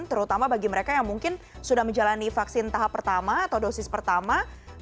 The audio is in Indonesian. terutama bagi mereka yang mungkin sudah menjalani vaksin tahap pertama atau dosis pertama